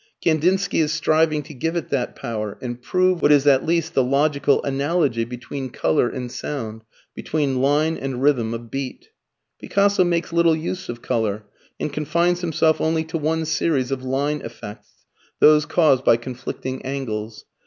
Kandinsky is striving to give it that power, and prove what is at least the logical analogy between colour and sound, between line and rhythm of beat. Picasso makes little use of colour, and confines himself only to one series of line effects those caused by conflicting angles.